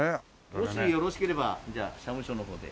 もしよろしければじゃあ社務所の方で。